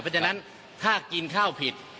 เพราะฉะนั้นถ้ากินข้าวผิด